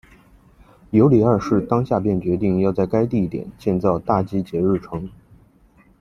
尤里二世当下便决定要在该地点建造大基捷日城。